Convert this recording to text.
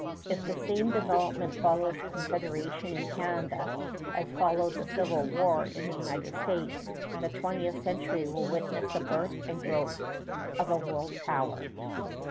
If the same development {vi} follows Confederation in Canada as followed the Civil War in the United States, the twentieth century will witness the birth and growth of a world power.